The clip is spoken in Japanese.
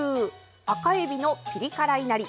「赤えびのピリ辛いなり」！